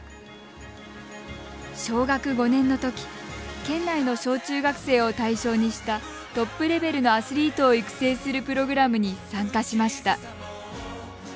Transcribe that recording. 小学５年のとき県内の小中学生を対象にしたトップレベルのアスリートを育成するプログラムに参加しました。